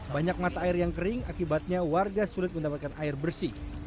banyak mata air yang kering akibatnya warga sulit mendapatkan air bersih